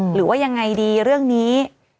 หรือว่ายังไงดีเรื่องนี้